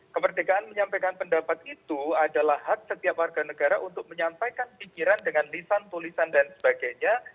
kemerdekaan menyampaikan pendapat itu adalah hak setiap warga negara untuk menyampaikan pikiran dengan lisan tulisan dan sebagainya